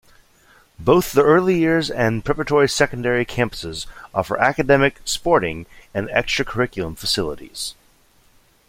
Both the Early Years and preparatory-secondary campuses offer academic, sporting and extra curriculum facilities.